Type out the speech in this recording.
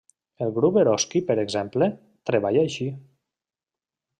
El grup Eroski per exemple, treballa així.